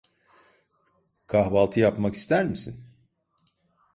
Kahvaltı yapmak ister misin?